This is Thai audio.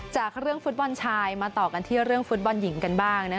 จากเรื่องฟุตบอลชายมาต่อกันที่เรื่องฟุตบอลหญิงกันบ้าง